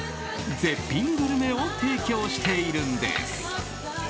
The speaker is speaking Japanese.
絶品グルメを提供しているんです。